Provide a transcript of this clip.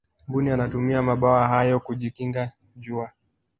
mbuni anatumia mabawa hayo kujikinga jua